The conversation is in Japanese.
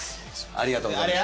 ありがとうございます。